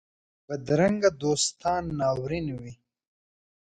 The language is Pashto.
بدرنګه دوستان ناورین وي